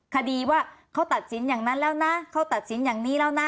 คดีว่าเขาตัดสินอย่างนั้นแล้วนะเขาตัดสินอย่างนี้แล้วนะ